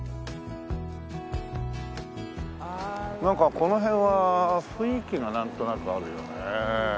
なんかこの辺は雰囲気がなんとなくあるよね。